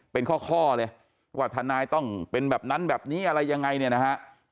เป็นข้อเลยว่าทนายต้องเป็นแบบนั้นแบบนี้อะไรยังไงเนี่ยนะฮะ